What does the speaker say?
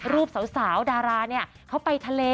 รูปสาวดาราเขาไปทะเล